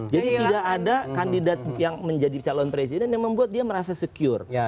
jadi tidak ada kandidat yang menjadi calon presiden yang membuat dia merasa secure